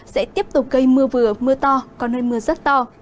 sẽ tiếp tục gây mưa vừa mưa to có nơi mưa rất to